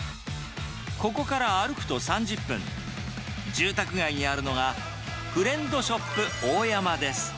ここから歩くと３０分、住宅街にあるのが、フレンドショップオオヤマです。